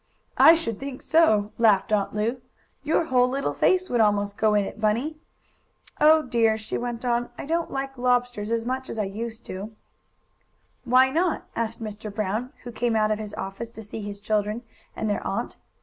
"I should think so!" laughed Aunt Lu. "Your whole little face would almost go in it, Bunny. Oh dear!" she went on. "I don't like lobsters as much as I used to." "Why not?" asked Mr. Brown, who came out of his office to see his children and their aunt.